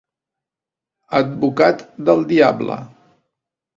Advocat del diable.